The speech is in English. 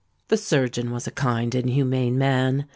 "The surgeon was a kind and humane man.